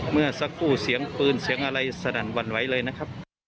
เมื่อสักครู่เสียงปืนเสียงอะไรสนั่นหวั่นไหวเลยนะครับ